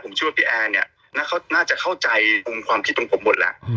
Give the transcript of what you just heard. ผมเชื่อว่าพี่แอร์น่าจะเข้าใจความคิดตรงผมหมดแล้ว